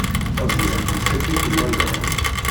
Azniq yettak-it i wayeḍ.